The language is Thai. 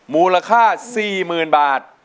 มูลค่าสี่หมื่นบาท